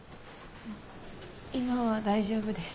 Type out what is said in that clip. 今は大丈夫です。